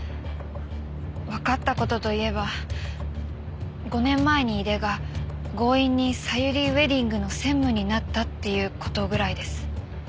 わかった事といえば５年前に井出が強引にさゆりウェディングの専務になったっていう事ぐらいです。